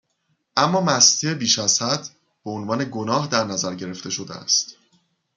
اما مستی بیشازحد، بهعنوان گناه در نظر گرفته شده است